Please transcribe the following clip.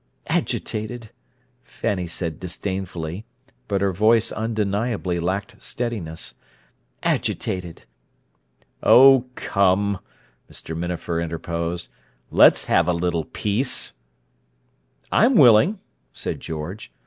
"Agitated!" Fanny said disdainfully, but her voice undeniably lacked steadiness. "Agitated!" "Oh, come!" Mr. Minafer interposed. "Let's have a little peace!" "I'm willing," said George.